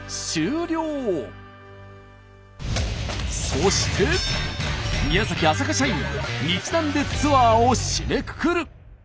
そして宮崎浅香社員日南でツアーを締めくくる。